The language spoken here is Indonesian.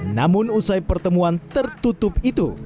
namun usai pertemuan tertutup itu